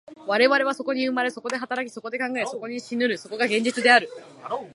我々はそこに生まれ、そこで働き、そこで考え、そこに死ぬる、そこが現実である。